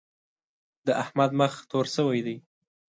د احمد مخ تور شوی دی.